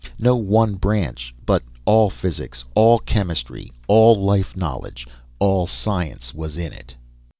No one branch, but all physics, all chemistry, all life knowledge, all science was in it.